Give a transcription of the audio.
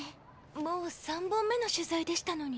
もう３本目の取材でしたのに。